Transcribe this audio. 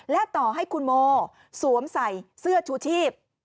และต่อให้คุณโมสวมใส่เสื้อชูชีพ